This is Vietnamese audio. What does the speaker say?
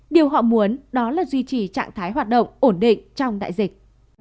điều họ muốn đó là duy trì trạng thái hoạt động ổn định trong đại dịch